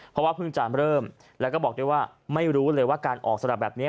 เพราะว่าเพิ่งจะเริ่มแล้วก็บอกด้วยว่าไม่รู้เลยว่าการออกสลับแบบนี้